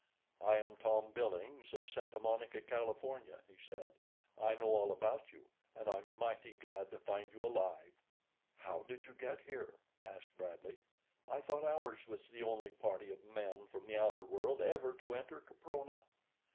"I am Tom Billings of Santa Monica, California," he said. "I know all about you, and I'm mighty glad to find you alive." "How did you get here?" asked Bradley. "I thought ours was the only party of men from the outer world ever to enter Caprona."